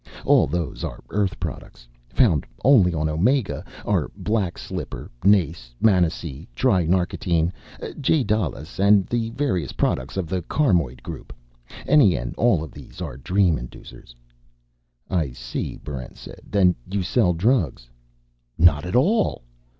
All those are Earth products. Found only on Omega are Black Slipper, nace, manicee, tri narcotine, djedalas, and the various products of the carmoid group. Any and all of these are dream inducers." "I see," Barrent said. "Then you sell drugs." "Not at all!"